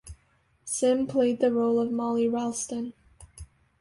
Sim played the role of Mollie Ralston.